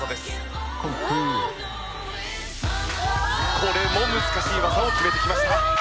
これも難しい技を決めてきました。